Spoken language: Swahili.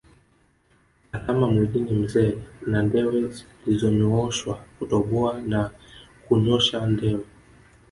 Alama mwilini mzee na ndewe zilizonyooshwa Kutoboa na kunyosha ndewe